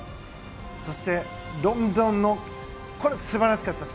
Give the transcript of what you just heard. そして、ロンドン素晴らしかったです。